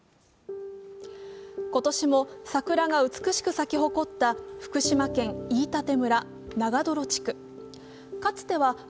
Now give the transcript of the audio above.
今年も桜が美しく咲き誇った福島県飯舘村長泥地区。